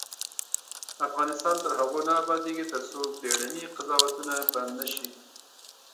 افغانستان تر هغو نه ابادیږي، ترڅو بیړني قضاوتونه بند نشي.